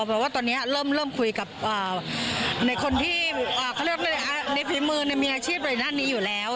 เพราะว่าตอนนี้เริ่มคุยกับในคนที่เขาเรียกว่าในฝีมือมีอาชีพในด้านนี้อยู่แล้ว